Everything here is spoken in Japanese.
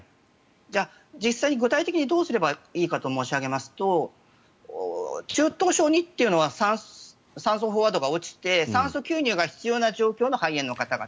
じゃあ、実際に具体的にどうすればいいかといいますと中等症２というのは酸素飽和度が落ちて酸素吸入が必要な状況の肺炎の方々。